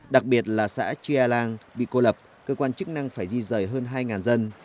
đặc biệt là xã chia lang bị cô lập cơ quan chức năng phải di rời hơn hai dân